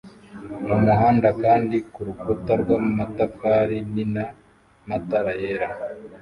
mumuhanda kandi kurukuta rw'amatafari nina matara yera